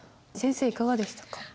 先生いかがでしたか。